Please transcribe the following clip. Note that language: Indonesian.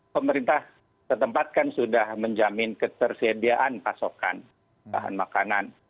pemerintah setempat kan sudah menjamin ketersediaan pasokan bahan makanan